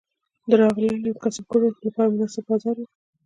د راغلیو کسبګرو لپاره مناسب بازار و.